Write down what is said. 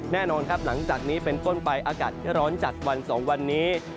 แน่นอนครับหลังจากนี้เป็นต้นไปอากาศร้อนจัดวัน๒วันนี้